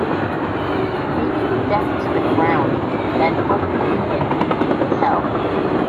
He beat Death to the ground and then opened a pit leading to Hell.